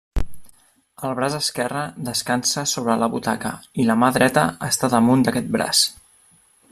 El braç esquerre descansa sobre la butaca i la mà dreta està damunt d'aquest braç.